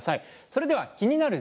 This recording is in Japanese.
それでは気になる